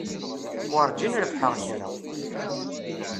Werjin rebḥeɣ kra.